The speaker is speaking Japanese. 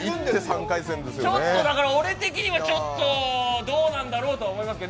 ちょっと俺的にはどうなんだろうと思いますけど。